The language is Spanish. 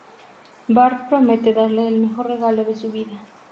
Bart promete darle el mejor regalo de su vida.